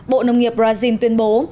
bộ nông nghiệp brazil tuyên bố